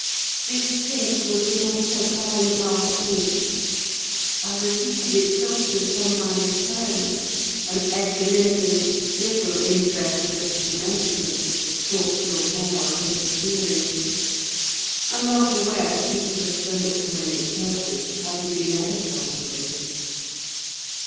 This hint was enough to bind our hands. I repeated its substance on my return; and Edgar Linton, little interested at the commencement, spoke no more of interfering. I'm not aware that he could have done it to any purpose, had he been ever so willing.